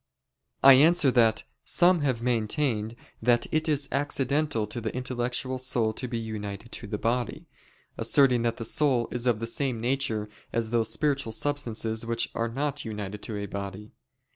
I answer that, Some have maintained that it is accidental to the intellectual soul to be united to the body, asserting that the soul is of the same nature as those spiritual substances which are not united to a body.